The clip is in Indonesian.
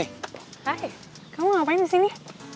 hai kamu ngapain disini